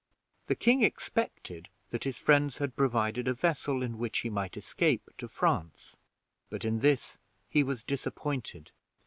The king expected that his friends had provided a vessel in which he might escape to France, but in this he was disappointed.